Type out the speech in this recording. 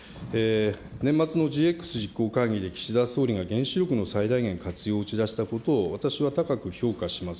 年末のＧＸ実行会議で岸田総理が原子力の最大限活用を打ち出したことを私は高く評価します。